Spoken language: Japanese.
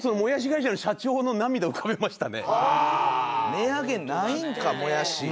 値上げないんかもやし。